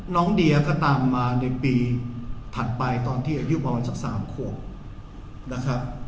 น้องเดียก็ตามมาในปีถัดไปตอนที่อายุประมาณสัก๓ขวบนะครับ